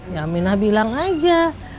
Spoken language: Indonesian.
ya minah bilang aja